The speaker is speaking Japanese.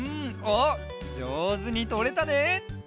おっじょうずにとれたね！